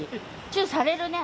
チューされるね。